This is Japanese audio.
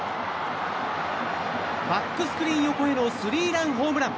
バックスクリーン横へのスリーランホームラン。